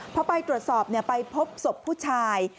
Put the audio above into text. พอไปตรวจสอบไปพบศพผู้ชาย